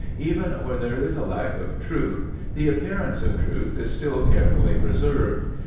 Even where there is a lack of truth, the appearance of truth is still carefully preserved.